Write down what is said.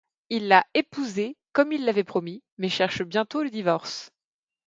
Il l'a épousée, comme il l'avait promis, mais cherche bientôt le divorce.